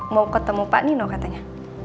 mau ketemu pak nino katanya